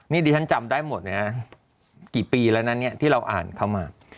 นี่ดิฉันจำได้หมดนะกี่ปีแล้วนะเนี่ยที่เราอ่านเข้ามา